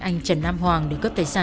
anh trần nam hoa